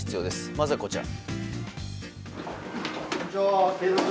まずは、こちら。